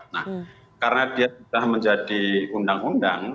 nah karena dia sudah menjadi undang undang